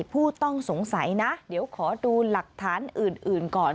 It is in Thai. ผู้ต้องสงสัยนะเดี๋ยวขอดูหลักฐานอื่นก่อน